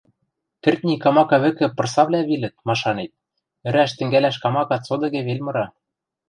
Кӹртни камака вӹкӹ пырсавлӓ вилӹт, машанет, ӹрӓш тӹнгӓлӓш камака цодыге вел мыра.